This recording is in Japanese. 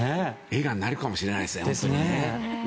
映画になるかもしれないですね、本当に。